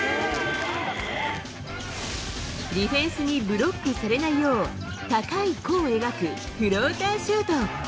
ディフェンスにブロックされないよう高い弧を描くフローターシュート。